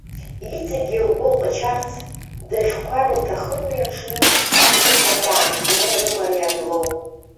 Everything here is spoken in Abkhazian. Иҵегьы лгәы лҟычарц, даӷьқәар лҭахын уи аҽны, ас ԥыҭрак иаанханы рымариа анлоу.